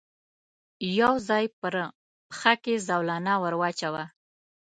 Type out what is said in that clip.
يو ځای پر پښه کې زولنه ور واچاوه.